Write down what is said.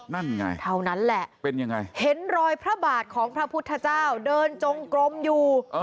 นั่นไงเท่านั้นแหละเป็นยังไงเห็นรอยพระบาทของพระพุทธเจ้าเดินจงกลมอยู่